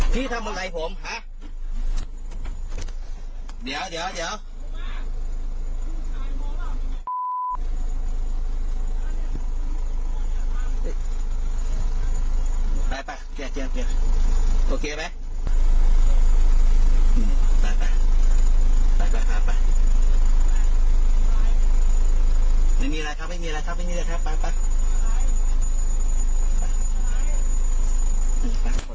พี่ทำไมไม่ไหลผมฮะ